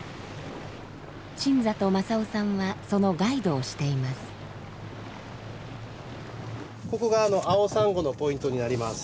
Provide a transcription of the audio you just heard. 新里昌央さんはそのガイドをしています。